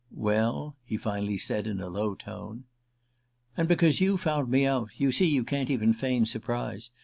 "Well ?" he finally said, in a low tone. "And because you found me out (you see, you can't even feign surprise!)